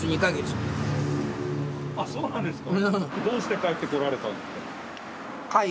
あっそうなんですか。